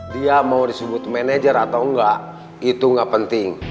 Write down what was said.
dia mau disebut manajer atau enggak itu nggak penting